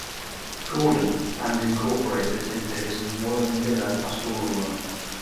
Gordon and incorporated into his Wallumbilla pastoral run.